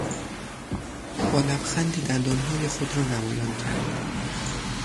با لبخندی دندانهای خود را نمایان کرد.